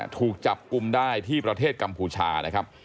ถูกจับกุมได้ที่ประเทศกัมภูชา